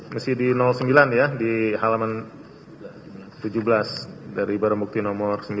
masih di sembilan ya di halaman tujuh belas dari barang bukti nomor sembilan